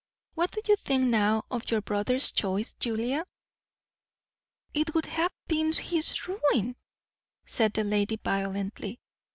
What do you think now of your brother's choice, Julia?" "It would have been his ruin!" said the lady violently.